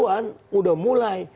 sembilan puluh an udah mulai